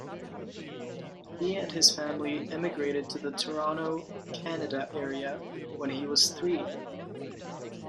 He and his family emigrated to the Toronto, Canada area when he was three.